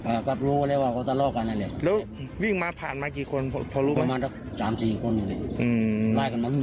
อ่าก็รู้เลยว่าเขาทะเลาะกันแหละเลยแล้ววิ่งมาผ่านมากี่คนเค้ารู้ไหม